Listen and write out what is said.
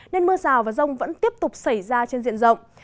nên mưa rào và rông vẫn tiếp tục xảy ra trên diện rộng